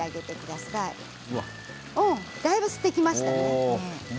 だいぶ吸ってきましたね。